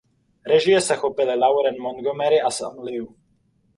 Režie se chopili Lauren Montgomery a Sam Liu.